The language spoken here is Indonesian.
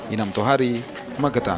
inam tohari magetan